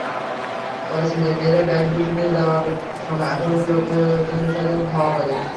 পরে ছিনতাইকারীরা ব্যাগ দুটি নিয়ে যাওয়ার সময় আশপাশের লোকজন তাদের ধাওয়া করে।